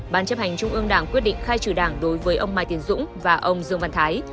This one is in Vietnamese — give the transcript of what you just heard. ban chấp hành trung ương đảng quyết định khai trừ đảng đối với ông mai tiến dũng và ông dương văn thái